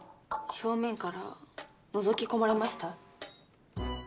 正面からのぞき込まれました？